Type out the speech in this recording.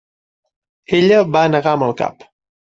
Ella va negar amb el cap.